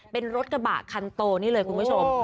เป็นรถกระบะคันโตนี่เลยคุณผู้ชม